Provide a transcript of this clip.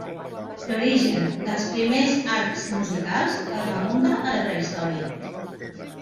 L’origen dels primers arcs musicals es remunta a la prehistòria.